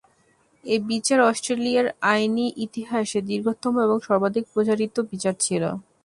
এই বিচার অস্ট্রেলিয়ার আইনী ইতিহাসে দীর্ঘতম এবং সর্বাধিক প্রচারিত বিচার ছিল।